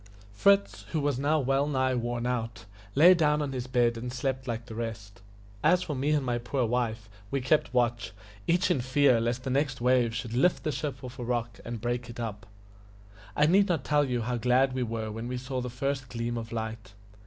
Fritz, who was now well nigh worn out, lay down on his bed and slept like the rest. As for me and my poor wife, we kept watch, each in fear lest the next wave should lift the ship off the rock and break it up. I need not tell you how glad we were when we saw the first gleam of light.